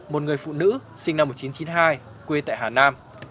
một người phụ nữ sinh năm một nghìn chín trăm chín mươi hai quê tại hà nam